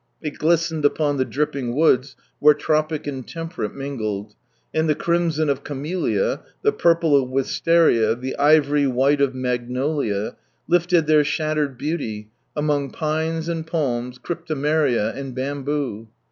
It glistened upon the dripping woods, where Tropic and T'emperate mingled, and the crimson of camellia, the purple of wisteria, the ivory white of magnolia, lifted their shattered beauty, among pines and palms, cryptomeria, and bamboo.